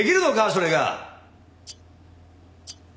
それが。